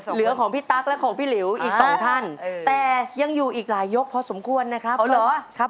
เหลือของพี่ตั๊กและของพี่หลิวอีกสองท่านแต่ยังอยู่อีกหลายยกพอสมควรนะครับ